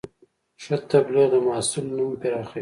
ښه تبلیغ د محصول نوم پراخوي.